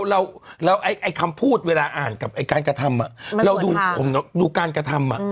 แล้วไอ้คำพูดเวลาอ่านกับไอ้การกระทำเราดูการกระทำ